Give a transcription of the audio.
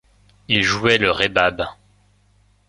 Il jouait le rebab.